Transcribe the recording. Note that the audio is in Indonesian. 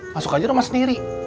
masuk aja dong mas sendiri